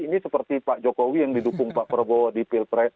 ini seperti pak jokowi yang didukung pak prabowo di pilpres